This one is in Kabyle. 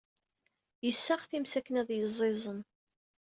Yessaɣ times akken ad yeẓẓiẓen.